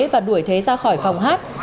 và đuổi thế ra khỏi phòng hát